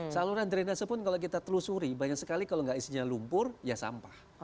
saluran drenase pun kalau kita telusuri banyak sekali kalau nggak isinya lumpur ya sampah